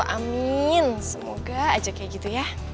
amin semoga aja kayak gitu ya